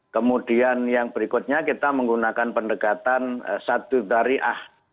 kemudian yang berikutnya kita menggunakan pendekatan satu dari ah